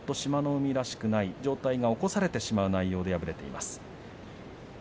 海らしくない上体が、起こされてしまう内容で敗れています。